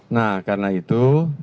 nah karena itu